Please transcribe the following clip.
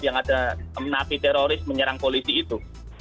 yang ada napi teroris menyerang polisi itu